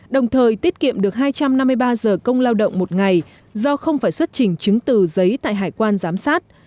đồng thời tiết kiệm được hai trăm năm mươi ba giờ công lao động một ngày do không phải xuất trình chứng từ giấy tại hải quan giám sát